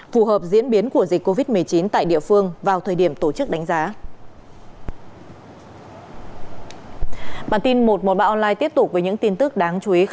phù hợp diễn biến của dịch covid một mươi chín tại địa phương vào thời điểm tổ chức đánh giá